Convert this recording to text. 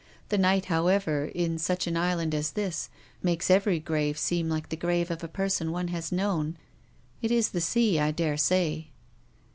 The night, however, in such an island as this, makes every grave seem like the grave of a person one has known. It is the sea, I daresay."